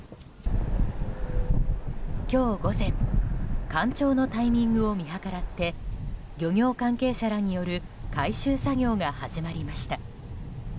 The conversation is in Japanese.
今日午前干潮のタイミングを見計らって漁業関係者らによる回収作業が始まりました。